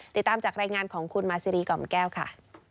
ติดตามจากรายงานของคุณมาซีรีกล่อมแก้วค่ะ